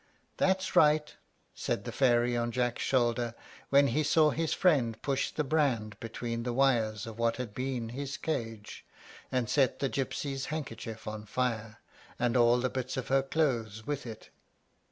"That's right," said the fairy on Jack's shoulder, when he saw his friend push the brand between the wires of what had been his cage, and set the gypsy's handkerchief on fire, and all the bits of her clothes with it.